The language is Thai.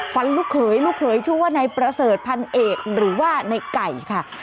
ลูกเขยลูกเขยชื่อว่านายประเสริฐพันเอกหรือว่าในไก่ค่ะ